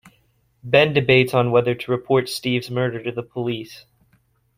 Ben debates on whether to report Steve's murder to the police.